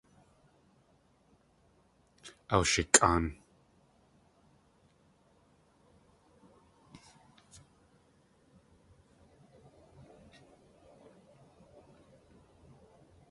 Awshikʼaan.